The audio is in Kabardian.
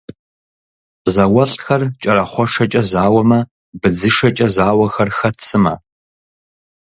Зауэлӏхэр кӏэрахъуэшэкӏэ зауэмэ, быдзышэкӏэ зауэхэр хэт сымэ?